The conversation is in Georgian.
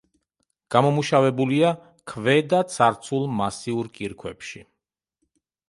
გამომუშავებულია ქვედაცარცულ მასიურ კირქვებში.